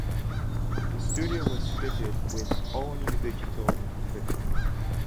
The studio was fitted with all-new digital equipment.